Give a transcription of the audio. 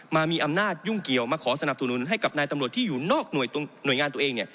มามีอำนาจยุ่งเกี่ยวมาขอสนับสนุนให้กับนายตำรวจที่อยู่นอกหน่วยงานตัวเอง